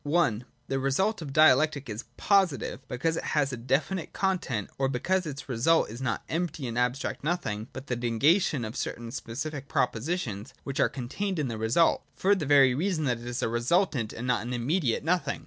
(i) The result of Dialectic is positive, because it has a definite content, or because its result is not empty and abstract nothing, but the negation of certain specific propositions which are contained in the result, — for the very reason that it is a resultant and not an immediate no thing.